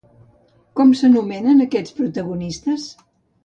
Com s'anomenen aquests protagonistes?